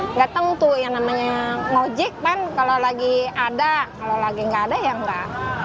nggak tentu yang namanya ngojek kan kalau lagi ada kalau lagi nggak ada ya nggak